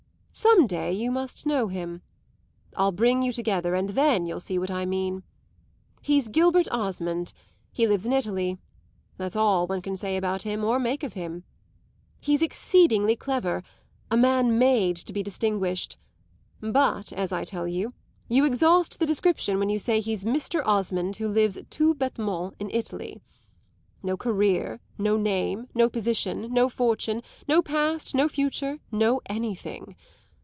Some day you must know him. I'll bring you together and then you'll see what I mean. He's Gilbert Osmond he lives in Italy; that's all one can say about him or make of him. He's exceedingly clever, a man made to be distinguished; but, as I tell you, you exhaust the description when you say he's Mr. Osmond who lives tout bêtement in Italy. No career, no name, no position, no fortune, no past, no future, no anything.